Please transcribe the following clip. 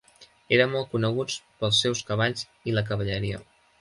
Eren molt coneguts pels seus cavalls i la cavalleria.